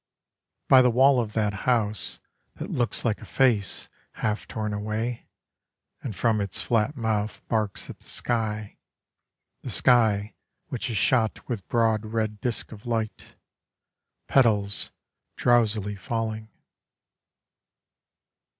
By the wall of that house That looks like a face half torn away, And from its flat mouth barks at the sky, The sky which is shot with broad red disks of light, Petals drowsily falling.